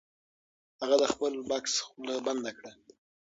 هغه د بکس خوله بنده کړه. .